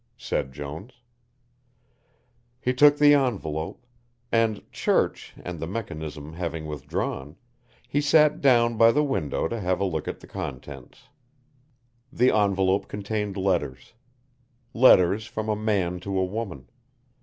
said Jones. He took the envelope, and, Church and the Mechanism having withdrawn, he sat down by the window to have a look at the contents. The envelope contained letters. Letters from a man to a woman.